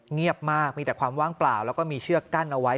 เงียบมากมีแต่ความว่างเปล่าแล้วก็มีเชือกกั้นเอาไว้